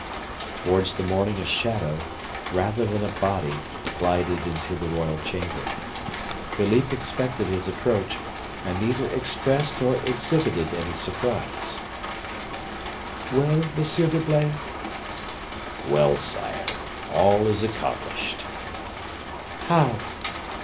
Towards the morning a shadow, rather than a body, glided into the royal chamber; Philippe expected his approach and neither expressed nor exhibited any surprise. "Well, M. d'Herblay?" "Well, sire, all is accomplished." "How?"